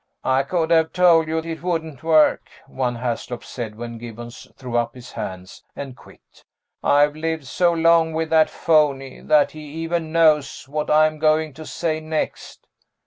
"I could have told you it wouldn't work," one Haslop said when Gibbons threw up his hands and quit. "I've lived so long with that phony that he even knows what I'm going to say next."